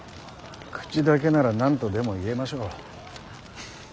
口だけなら何とでも言えましょう。